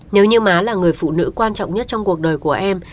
nếu như má là người phụ nữ quan trọng nhất trong cuộc đời của em